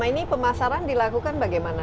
nah ini pemasaran dilakukan bagaimana